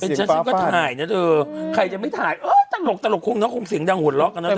เป็นฉันฉันก็ถ่ายนะเธอใครจะไม่ถ่ายตลกคงเสียงดังหวดล๊อคกันนะเธอเนอะ